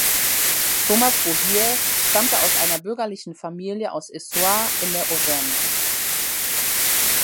Thomas Bohier stammte aus einer bürgerlichen Familie aus Issoire in der Auvergne.